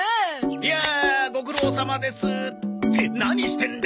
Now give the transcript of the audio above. いやあご苦労さまですって何してんだ！